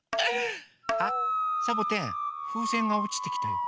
あっサボテンふうせんがおちてきたよ。